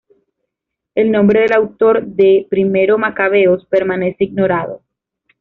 El nombre del autor de I Macabeos permanece ignorado.